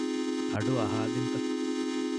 އަޑު އަހާލިންތަ؟